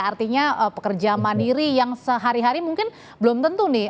artinya pekerja mandiri yang sehari hari mungkin belum tentu nih